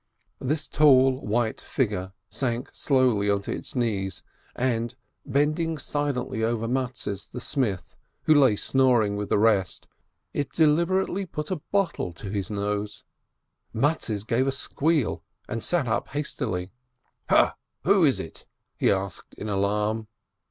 This tall, white figure sank slowly onto its knees, and, bending silently over Mattes the smith, COUNTRY FOLK 557 who lay snoring with the rest, it deliberately put a bottle to his nose. Mattes gave a squeal, and sat up hastily. "Ha, who is it?" he asked in alarm.